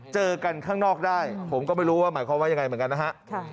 เจอกันข้างนอกได้ผมก็ไม่รู้ว่าหมายความว่ายังไงเหมือนกันนะฮะ